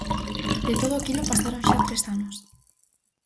De todo aquilo pasaron xa tres anos.